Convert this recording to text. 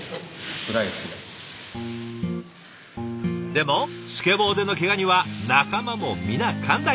でもスケボーでのケガには仲間も皆寛大。